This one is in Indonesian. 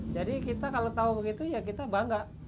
jadi kita kalau tahu begitu ya kita bangga